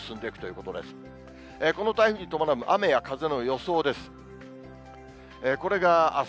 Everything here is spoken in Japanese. この台風に伴う雨や風の予想です。